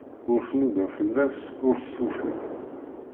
Ur tnuda fell-as, ur t-tufi.